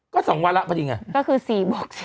ก็๒วันละปะดิไงก็คือ๔บวก๔